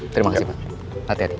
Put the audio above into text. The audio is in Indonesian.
terima kasih pak hati hati